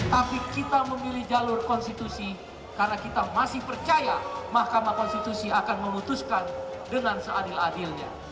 tapi kita memilih jalur konstitusi karena kita masih percaya mahkamah konstitusi akan memutuskan dengan seadil adilnya